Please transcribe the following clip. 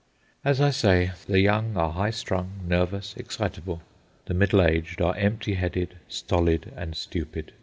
As I say, the young are high strung, nervous, excitable; the middle aged are empty headed, stolid, and stupid.